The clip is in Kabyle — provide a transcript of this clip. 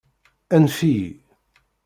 Anef-iyi.